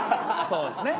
そうですね。